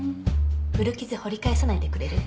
古傷掘り返さないでくれる？